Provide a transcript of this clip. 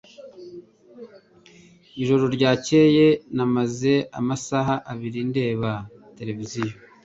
Ijoro ryakeye namaze amasaha abiri ndeba televiziyo.